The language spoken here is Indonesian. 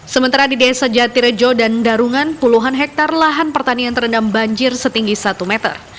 sementara di desa jatirejo dan darungan puluhan hektare lahan pertanian terendam banjir setinggi satu meter